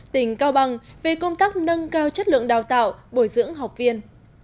tỉnh cao bằng về công tác nâng cao chất lượng đào tạo bồi dưỡng học viên